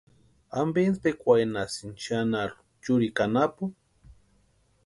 ¿Ampe intspikwarhinhasïni xanharu churikwa anapu?